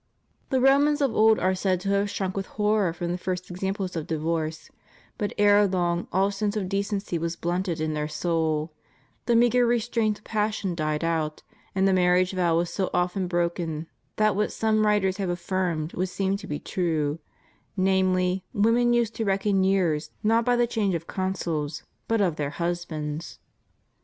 The Romans of old are said to have shrunk with horror from the first examples of divorce, but ere long all sense of decency was blunted in their soul ; the meagre restraint of passion died out, and the marriage vow was so often broken that what some writers have affirmed would seem to be true — namely, women used to reckon years not by the change of consuls, but of their husbands.